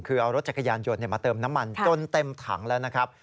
คือเอารถจักรยานยนต์มาเติมน้ำมันจนเต็มถังแล้วนะครับ